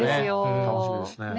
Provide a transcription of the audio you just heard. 楽しみですね。